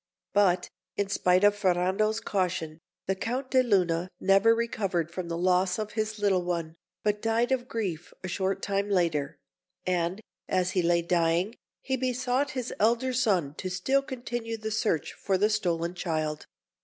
But, in spite of Ferrando's caution, the Count de Luna never recovered from the loss of his little one, but died of grief a short time after; and as he lay dying, he besought his elder son to still continue the search for the stolen child.